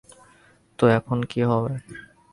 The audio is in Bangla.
তো এখন কী হবে?